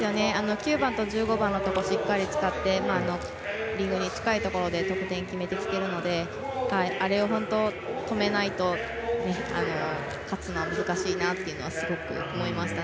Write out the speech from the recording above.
９番と１５番をしっかり使ってリングに近いところで得点決めてきてるのであれを本当に止めないと勝つのは難しいなというのはすごく思いました